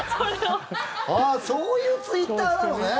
そういうツイッターなのね。